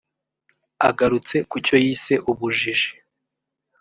Agarutse ku cyo yise ubujiji